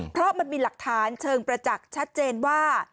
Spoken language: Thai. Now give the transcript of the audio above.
เพราะมันมีหลักฐานเชิงประจักษ์ชัดเจนว่า